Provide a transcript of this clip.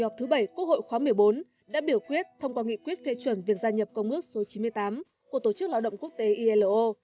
kỳ họp thứ bảy quốc hội khóa một mươi bốn đã biểu quyết thông qua nghị quyết phê chuẩn việc gia nhập công ước số chín mươi tám của tổ chức lao động quốc tế ilo